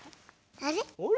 あれ？